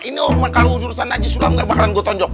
ini kalau urusan haji sulam gak bakalan gue tonjok